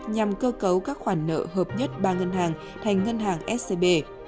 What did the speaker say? nhằm cơ cấu các khoản nợ hợp nhất ba ngân hàng thành ngân hàng scb